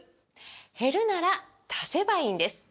減るなら足せばいいんです！